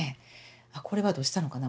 あっこれはどうしたのかな？